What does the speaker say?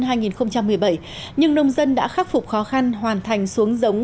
trong một mươi bảy nhưng nông dân đã khắc phục khó khăn hoàn thành xuống giống